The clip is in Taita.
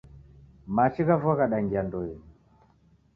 Machi gha vua ghadaingia ndoenyi